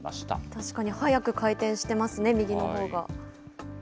確かに速く回転してますね、右のほうが。